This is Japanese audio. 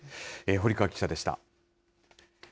堀川記者でした。